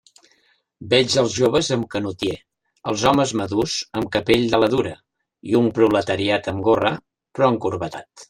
Veig els joves amb canotier, els homes madurs amb capell d'ala dura, i un proletariat amb gorra, però encorbatat.